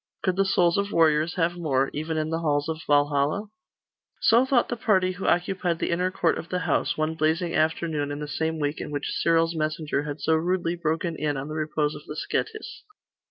Could the souls of warriors have more, even in the halls of Valhalla? So thought the party who occupied the inner court of the house, one blazing afternoon in the same week in which Cyril's messenger had so rudely broken in on the repose of the Scetis.